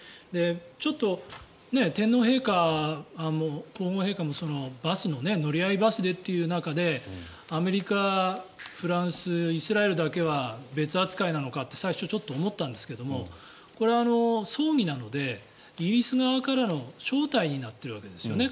ちょっと天皇陛下も皇后陛下も乗り合いバスでという中でアメリカ、フランスイスラエルだけは別扱いなのかって最初、ちょっと思ったんですがこれは葬儀なのでイギリス側からの招待になっているわけですよね